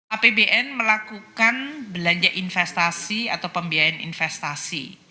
apbn melakukan belanja investasi atau pembiayaan investasi